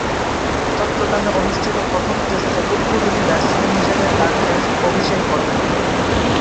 চট্টগ্রামে অনুষ্ঠিত প্রথম টেস্টে উদ্বোধনী ব্যাটসম্যান হিসেবে তার টেস্ট অভিষেক ঘটে।